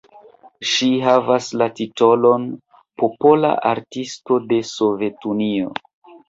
Ŝi havas la titolon "Popola Artisto de Sovetunio".